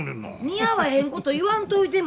似合わへんこと言わんといて。